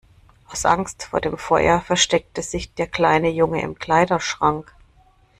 Aus Angst vor dem Feuer versteckte sich der kleine Junge im Kleiderschrank.